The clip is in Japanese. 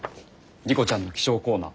莉子ちゃんの気象コーナー